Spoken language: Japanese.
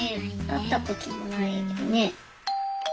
会ったこともないよね。